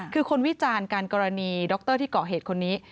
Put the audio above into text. คือคนวิจารณ์กันกรณีดรที่เกาะเหตุคนนี้